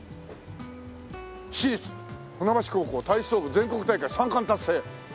「市立船橋高校体操部全国大会３冠達成」